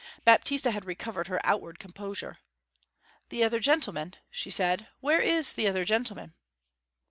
Baptista had recovered her outward composure. 'The other gentleman?' she said. 'Where is the other gentleman?'